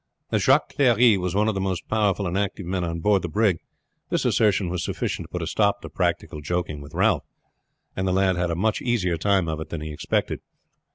As Jacques Clery was one of the most powerful and active men on board the brig, this assertion was sufficient to put a stop to practical joking with Ralph, and the lad had a much easier time of it than he expected.